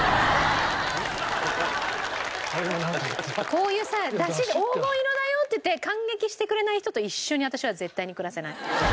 こういうさ出汁で「黄金色だよ」って言って感激してくれない人と一緒に私は絶対に暮らせない。